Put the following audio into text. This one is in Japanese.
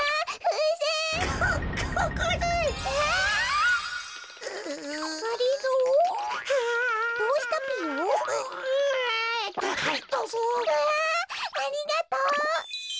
うわありがとう！